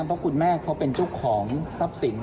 เพราะคุณแม่เขาเป็นเจ้าของทรัพย์สิน